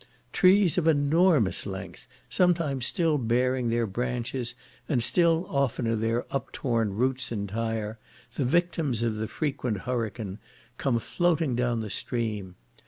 Trees of enormous length, sometimes still bearing their branches, and still oftener their uptorn roots entire, the victims of the frequent hurricane, come floating down the stream.